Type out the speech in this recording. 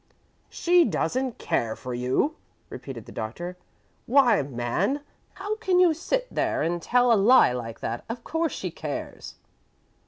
"She doesn't care for you!" repeated the Doctor. "Why, man, how can you sit there and tell a lie like that? Of course she cares!"